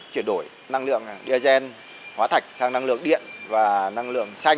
chuyển đổi năng lượng diesel hóa thạch sang năng lượng điện và năng lượng xanh